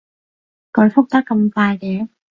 佢覆得咁快嘅